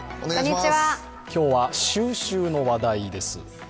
今日は収集の話題です。